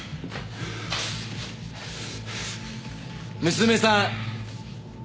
娘さん